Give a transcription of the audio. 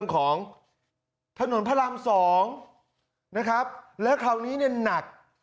ของถนนพระราม๒นะครับแล้วคราวนี้เนี่ยหนัก